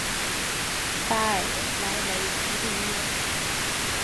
巴尔莱雷居利耶。